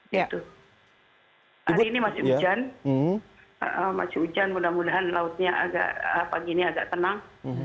hari ini masih hujan mudah mudahan lautnya pagi ini agak tenang